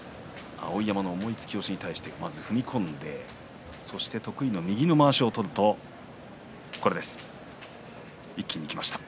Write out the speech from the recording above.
碧山の重い突き押しに対してまず踏み込んでそして得意の右のまわしを取ると一気にいきました。